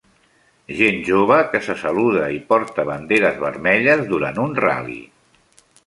Gent jove que se saluda i porta banderes vermelles durant un ral·li